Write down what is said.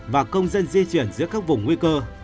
và công dân di chuyển giữa các vùng nguy cơ